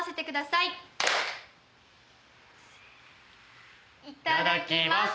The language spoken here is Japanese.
いただきます！